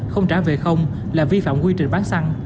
không trả về không là vi phạm quy trình bán xăng